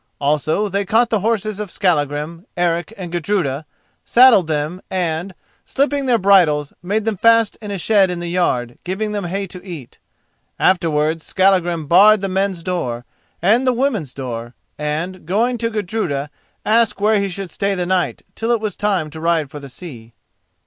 Also they caught the horses of Skallagrim, Eric, and Gudruda, saddled them and, slipping their bridles, made them fast in a shed in the yard, giving them hay to eat. Afterwards Skallagrim barred the men's door and the women's door, and, going to Gudruda, asked where he should stay the night till it was time to ride for the sea.